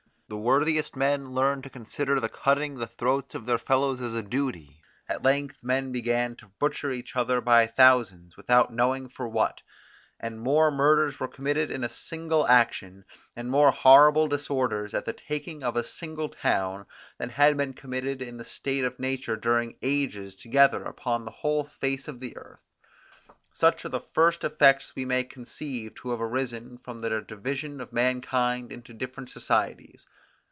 The worthiest men learned to consider the cutting the throats of their fellows as a duty; at length men began to butcher each other by thousands without knowing for what; and more murders were committed in a single action, and more horrible disorders at the taking of a single town, than had been committed in the state of nature during ages together upon the whole face of the earth. Such are the first effects we may conceive to have arisen from the division of mankind into different societies.